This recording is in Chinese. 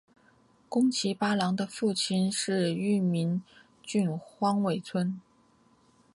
宫崎八郎的父亲是玉名郡荒尾村。